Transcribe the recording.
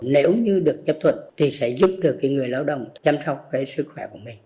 nếu như được chấp thuật thì sẽ giúp được người lao động chăm sóc cái sức khỏe của mình